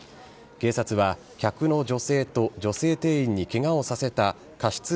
警察は客の女性と女性店員にケガをさせた過失